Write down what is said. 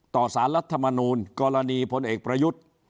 ต่อสารรัฐธรรมนูญกรณีพลเอกประยุทธ์